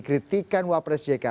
kritikan wapres jk